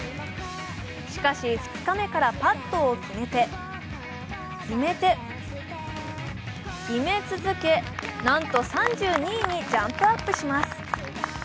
しかし、２日目からパットを決めて、決めて、決め続けなんと３２位にジャンプアップします。